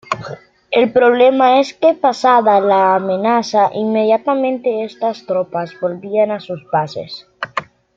El problema es que pasada la amenaza inmediata estas tropas volvían a sus bases.